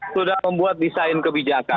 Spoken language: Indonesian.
sudah membuat desain kebijakan